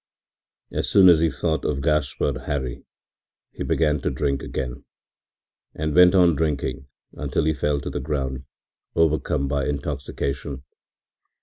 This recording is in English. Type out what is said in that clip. As soon as he thought of Gaspard Hari, he began to drink again, and went on drinking until he fell to the ground, overcome by intoxication.